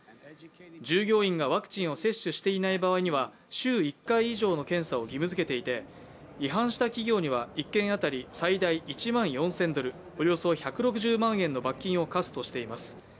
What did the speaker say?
従業員がワクチンを接種していない場合には週１回以上の検査を義務づけていて違反した企業には１件当たり最大１万４０００ドルおよそ１６０万円の罰金を科すとしています。